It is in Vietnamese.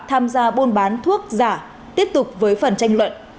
tham gia buôn bán thuốc giả tiếp tục với phần tranh luận